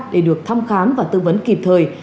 để được thăm khám và tư vấn kịp thời